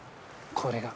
これが。